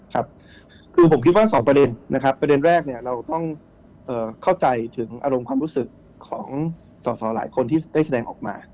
ครับคือผมคิดว่าสองประเด็นนะครับประเด็นแรกเนี่ยเราต้องเข้าใจถึงอารมณ์ความรู้สึกของสอสอหลายคนที่ได้แสดงออกมา